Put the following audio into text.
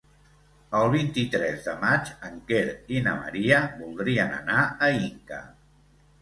El vint-i-tres de maig en Quer i na Maria voldrien anar a Inca.